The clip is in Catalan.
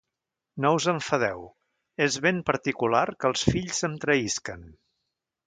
No us enfadeu, és ben particular que els fills em traïsquen!